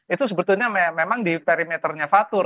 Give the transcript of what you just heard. itu sebetulnya memang di perimeternya fatur